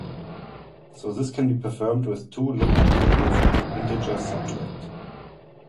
So this can be performed with two look up tables and an integer subtract.